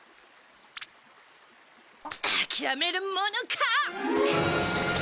諦めるものか！